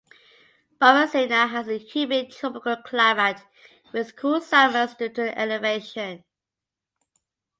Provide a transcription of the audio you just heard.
Barbacena has a humid tropical climate with cool summers due to the elevation.